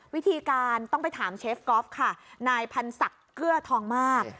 วิธีการต้องไปถามเชฟก๊อฟค่ะนายพันศักดิ์เกื้อทองมาก